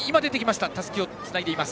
たすきをつないでいます。